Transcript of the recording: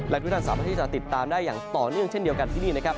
และทุกท่านสามารถที่จะติดตามได้อย่างต่อเนื่องเช่นเดียวกันที่นี่นะครับ